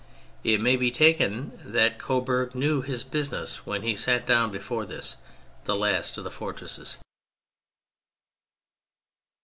It may be taken that Coburg knew his business when he sat down before this, the last of the fortresses.